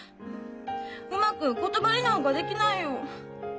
うまく言葉になんかできないよ。